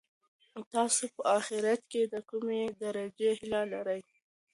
تاسي په اخیرت کي د کومې درجې هیله لرئ؟